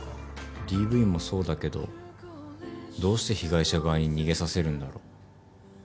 ＤＶもそうだけどどうして被害者側に逃げさせるんだろう。